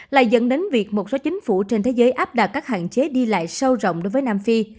lại dẫn đến việc một số chính phủ trên thế giới áp đặt các hạn chế đi lại sâu rộng đối với nam phi